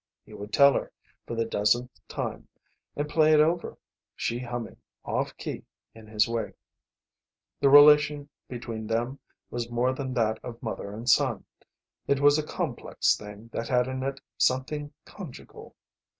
He would tell her, for the dozenth time, and play it over, she humming, off key, in his wake. The relation between them was more than that of mother and son. It was a complex thing that had in it something conjugal.